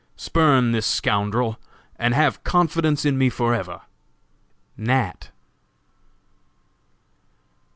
Spurn this scoundrel, and have confidence in me forever!!!" NAT.